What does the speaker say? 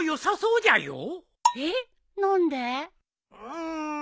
うん。